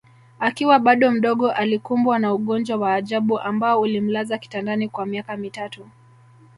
Akiwa bado mdogo alikumbwa na ugonjwa wa ajabu ambao ulimlaza kitandani kwa miaka mitatu